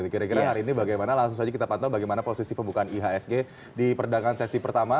kira kira hari ini bagaimana langsung saja kita pantau bagaimana posisi pembukaan ihsg di perdagangan sesi pertama